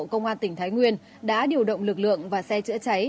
công an tỉnh thái nguyên đã điều động lực lượng và xe chữa cháy